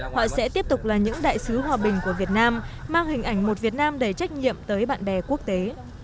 họ sẽ tiếp tục là những đại sứ hòa bình của việt nam mang hình ảnh một việt nam đầy trách nhiệm tới bạn bè quốc tế